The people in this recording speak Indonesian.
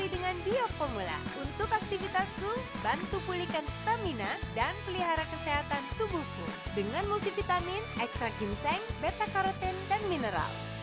dengan multivitamin ekstrak ginseng beta karotin dan mineral